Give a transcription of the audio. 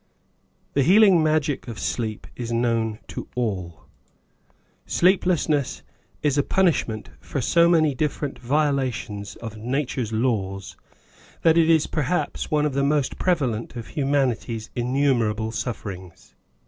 THE healing magic of sleep is known to all. Sleeplessness is a punishment for so many difFei; ent violations of nature's laws, that it is perhaps one of the most prevalent of humanity's in numerable sufferings.